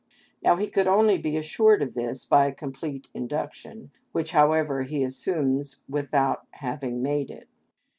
Now he could only be assured of this by a complete induction, which, however, he assumes without having made it.